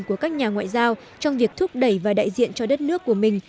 của các nhà ngoại giao trong việc thúc đẩy và đại diện cho đất nước của mình